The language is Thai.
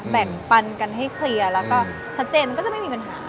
แบ่งปันกันให้เคลียร์แล้วก็ชัดเจนมันก็จะไม่มีปัญหา